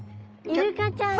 イルカちゃんだ！